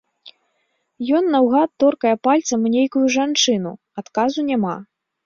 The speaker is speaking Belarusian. Ён наўгад торкае пальцам у нейкую жанчыну, адказу няма.